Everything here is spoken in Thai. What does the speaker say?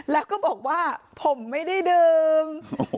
แล้วก็บอกว่าผมไม่ได้ดื่ม